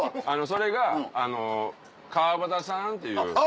それが川畑さんっていう先輩が。